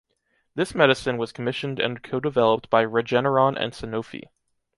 This medicine was commissioned and codeveloped by Regeneron and Sanofi.